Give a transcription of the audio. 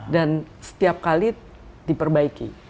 setiap kali diperbaiki